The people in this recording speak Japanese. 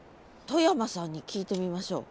外山さんに聞いてみましょう。